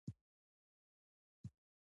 غږ یې لوړ دی.